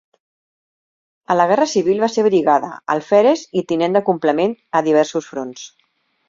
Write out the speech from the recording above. A la Guerra Civil va ser brigada, alferes i tinent de complement a diversos fronts.